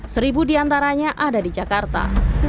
seribu di antaranya ada di jakarta